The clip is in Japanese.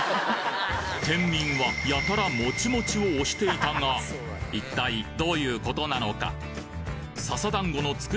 県民はやたらモチモチを推していたが一体どういうことなのか？